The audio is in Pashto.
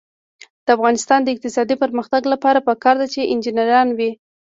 د افغانستان د اقتصادي پرمختګ لپاره پکار ده چې انجنیران وي.